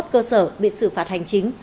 hai mươi một cơ sở bị xử phạt hành chính